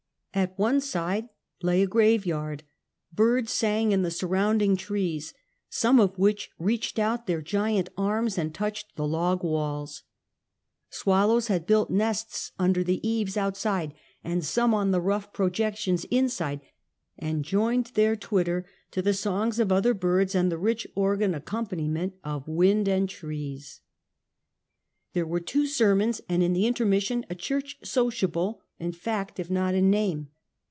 Atone side lay a grave yard; birds sang in the surrounding trees, some of which reached out their giant arms and touched the losr walls. Swallows had built nests under the eaves outside, and some on the rough projections inside, and joined their twitter to the songs of other birds and the rich organ accompaniment of wind and trees. 14 Half a Centuky. There were two sermons, and in tlie intermission, a cliurcli sociable, in fact if not in name.